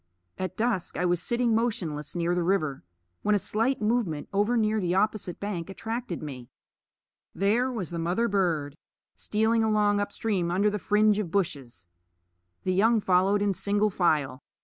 At dusk I was sitting motionless near the river when a slight movement over near the opposite bank attracted me. There was the mother bird, stealing along up stream under the fringe of bushes. The young followed in single file.